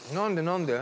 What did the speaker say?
何で？